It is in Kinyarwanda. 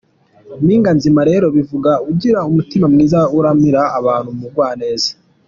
Mpinganzima rero bivuga ugira umutima mwiza, uramira abantu, Umugwaneza.